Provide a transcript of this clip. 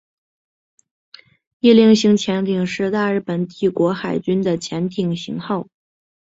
伊四零型潜艇是大日本帝国海军的潜舰型号。